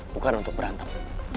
bukan untuk berantem